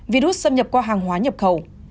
virus xâm nhập qua hàng hóa nhập khẩu